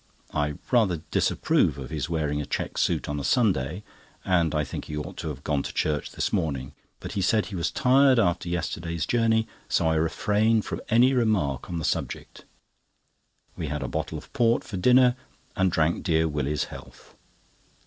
I rather disapprove of his wearing a check suit on a Sunday, and I think he ought to have gone to church this morning; but he said he was tired after yesterday's journey, so I refrained from any remark on the subject. We had a bottle of port for dinner, and drank dear Willie's health.